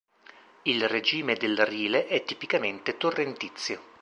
Il regime del Rile è tipicamente torrentizio.